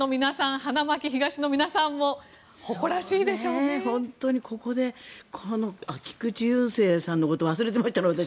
花巻東の皆さんも菊池雄星さんのことを忘れてました、私。